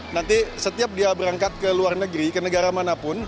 nanti setiap dia berangkat ke luar negeri ke negara manapun